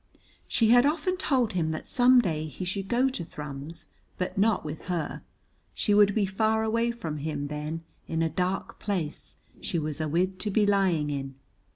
She had often told him that some day he should go to Thrums, but not with her; she would be far away from him then in a dark place she was awid to be lying in.